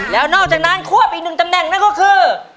แล้วนอกจากนั้นควบอีกหนึ่งตำแหน่งนั่นก็คือ